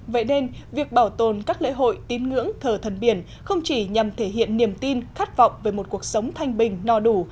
vậy nên việc bảo tồn các lễ hội tín ngưỡng thờ thần biển không chỉ nhằm thể hiện niềm tin khát vọng về một cuộc sống thanh bình no đủ